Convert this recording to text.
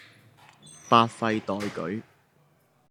百廢待舉